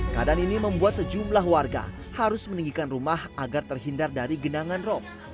keadaan ini membuat sejumlah warga harus meninggikan rumah agar terhindar dari genangan rop